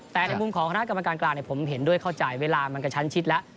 แต่ในมุมของคณะกรรมการกลางผมเห็นด้วยเข้าใจเวลามันกระชั้นชิดแล้ว